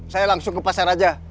saya langsung ke pasar aja